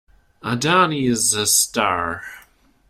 Adjani's a star.